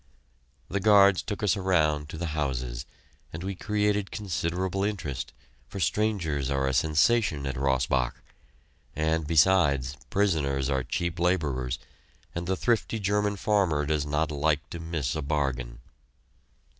The guards took us around to the houses, and we created considerable interest, for strangers are a sensation at Rossbach; and, besides, prisoners are cheap laborers, and the thrifty German farmer does not like to miss a bargain.